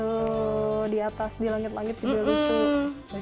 tuh di atas di langit langit juga lucu